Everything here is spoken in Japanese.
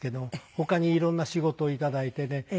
他に色んな仕事を頂いてねやれる。